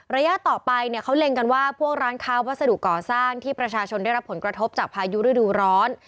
ระยะต่อไปเนี่ยเขาเล็งกันว่าพวกร้านค้าวัสดุก่อสร้างที่ประชาชนได้รับผลกระทบจากพายุฤดูร้อน